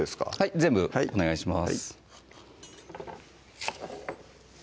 全部お願いします